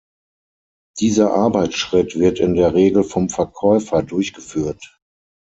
Dieser Arbeitsschritt wird in der Regel vom Verkäufer durchgeführt.